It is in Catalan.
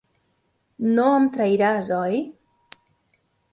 No em trairàs, oi?